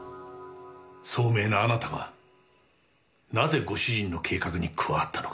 聡明なあなたがなぜご主人の計画に加わったのか。